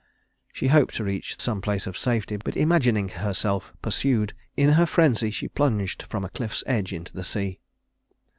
She hoped to reach some place of safety; but imagining herself pursued, in her frenzy she plunged from a cliff's edge into the sea.